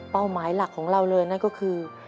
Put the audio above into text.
เป้าหมายหลักของเราเลยนะก็คือ